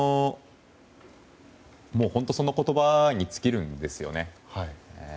本当にその言葉に尽きるんですよね。